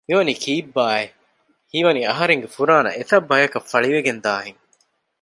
މިވަނީ ކީއްބާއެވެ؟ ހީވަނީ އަހަރެންގެ ފުރާނަ އެތައް ބަޔަކަށް ފަޅިވެގެންދާ ހެން